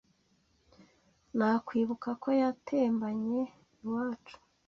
Nakwibuka ko yatembanye iwacu